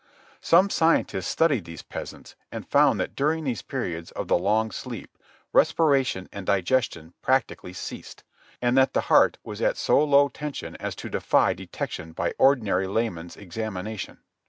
Some scientist studied these peasants and found that during these periods of the "long sleep" respiration and digestion practically ceased, and that the heart was at so low tension as to defy detection by ordinary layman's examination.